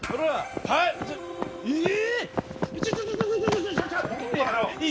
はい！